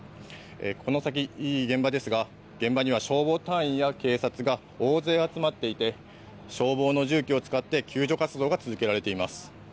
この先、現場ですが現場には消防隊員や警察が大勢集まっていて消防の重機を使って救助活動が続けられています。